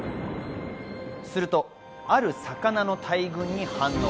すると、ある魚の大群に反応。